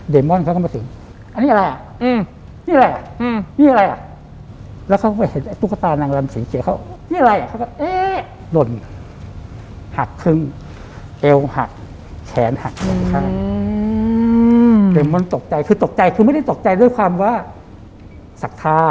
เดมอนตกใจคือตกใจไม่ได้ตกใจด้วยความว่าสักทา